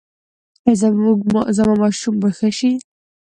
ایا زما ماشوم به ښه شي؟